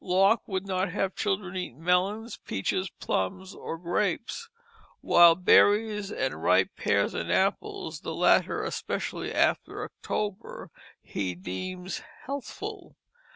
Locke would not have children eat melons, peaches, plums, or grapes; while berries and ripe pears and apples, the latter especially after October, he deems healthful.